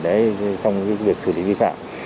trong việc xử lý vi phạm